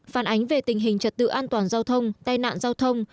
phản ánh về tình hình trật tự an toàn giao thông tai nạn giao thông